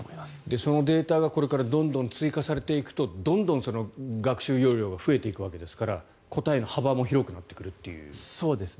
そのデータがこれからどんどん追加されていくとどんどん学習容量が増えてくるわけですから答えの幅も広くなるということですね。